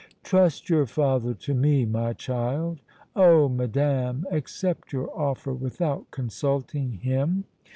"Trust your father to me, my child." "Oh! madame! Accept your offer without consulting him?"